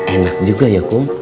enak juga ya kum